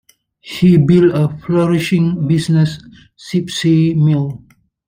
He built a flourishing business, Sipsey Mill.